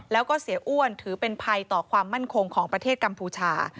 แล้วก็เสียอ้วนถือเป็นภัยต่อความมั่นคงของประเทศกัมพูชา